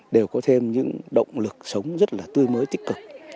đều có thêm những động lực sống rất là tươi mới tích cực